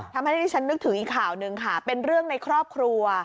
ทำให้ที่ฉันนึกถึงอีกข่าวหนึ่งค่ะเป็นเรื่องในครอบครัว